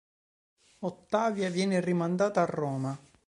Ottavia viene rimandata a Roma.